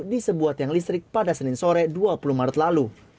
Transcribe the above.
di sebuah tiang listrik pada senin sore dua puluh maret lalu